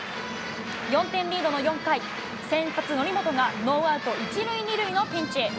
４点リードの４回、先発、則本がノーアウト１塁２塁のピンチ。